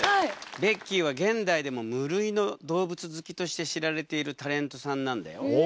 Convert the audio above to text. ベッキーは現代でも無類の動物好きとして知られているタレントさんなんだよ。へえ。